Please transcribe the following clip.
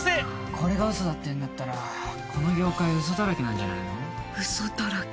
これがウソだって言うんだったらこの業界ウソだらけなんじゃないの？ウソだらけ。